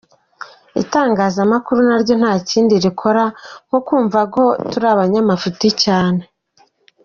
Itangazamakuru naryo ntakindi rikora nko kumva ko turi abanyamafuti cyane.